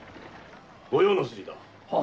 御用の筋だ。